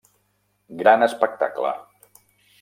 Gran espectacle!